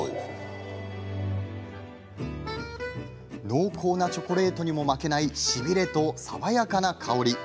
濃厚なチョコレートにも負けないしびれと爽やかな香り。